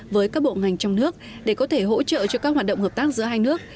với các bộ ngành trong nước để có thể hỗ trợ cho các hoạt động hợp tác giữa hai nước